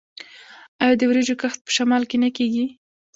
آیا د وریجو کښت په شمال کې نه کیږي؟